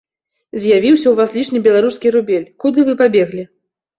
З'явіўся ў вас лішні беларускі рубель, куды вы пабеглі?